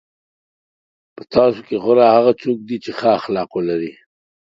په تاسو کې غوره هغه څوک دی چې ښه اخلاق ولري.